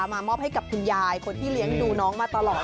มามอบให้กับคุณยายคนที่เลี้ยงดูน้องมาตลอด